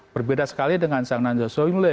berbeda sekali dengan zhang nan zhao yunle